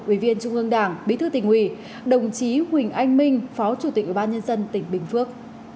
ủy viên trung ương đảng bí thư tỉnh hủy đồng chí huỳnh anh minh phó chủ tịch ủy ban nhân dân tỉnh bình phước